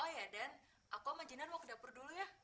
oh ya dan aku majinan mau ke dapur dulu ya